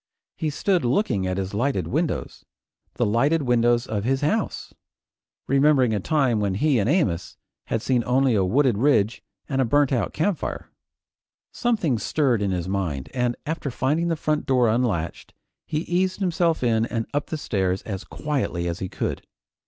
He stood looking at his lighted windows, the lighted windows of his house, remembering a time when he and Amos had seen only a wooded ridge and a burnt out campfire. Something stirred in his mind, and after finding the front door unlatched, he eased himself in and up the stairs as quietly as he could.